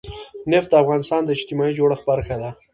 نفت د افغانستان د اجتماعي جوړښت برخه ده.